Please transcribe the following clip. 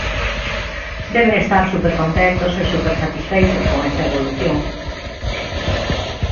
Deben estar supercontentos e supersatisfeitos con esa evolución.